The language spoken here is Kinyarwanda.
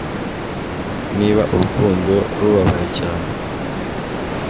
niba urukundo rubabaye cyane